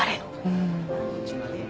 うん。